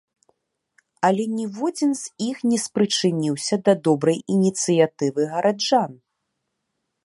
Але ніводзін з іх не спрычыніўся да добрай ініцыятывы гараджан.